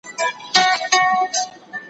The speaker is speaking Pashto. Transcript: چي یې کټ ته دواړي پښې کړلې ور وړاندي